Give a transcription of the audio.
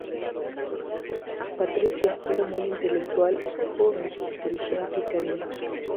Patricia era muy intelectual, joven inteligente y cariñosa.